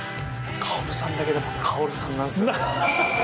薫さんだけ「薫さん」なんすよね。